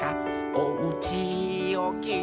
「おうちをきいても」